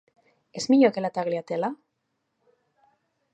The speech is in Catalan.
És millor que la Tagliatella?